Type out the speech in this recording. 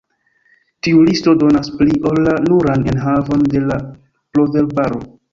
Tiu listo donas pli ol la nuran enhavon de la proverbaro.